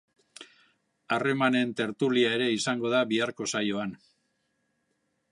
Harremanen tertulia ere izango da biharko saioan.